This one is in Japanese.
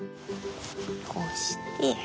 こうして。